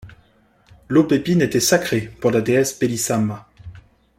L'aubépine était sacré pour la déesse Belisama.